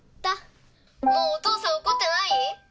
もうお父さんおこってない？